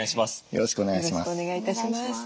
よろしくお願いします。